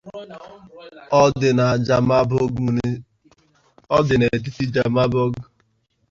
It is located in Jammerbugt Municipality.